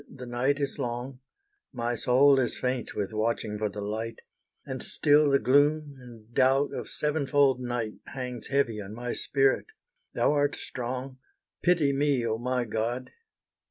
the night is long, My soul is faint with watching for the light, And still the gloom and doubt of seven fold night Hangs heavy on my spirit: Thou art strong. Pity me, oh my God!